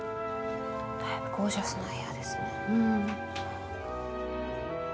だいぶゴージャスな部屋ですね。